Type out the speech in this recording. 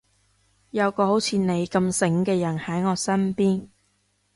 有個好似你咁醒嘅人喺我身邊